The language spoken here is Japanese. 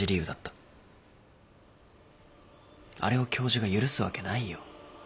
あれを教授が許すわけないよ。